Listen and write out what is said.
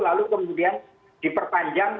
lalu kemudian diperpanjang